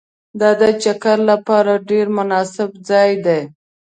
دا د چکر لپاره ډېر مناسب ځای دی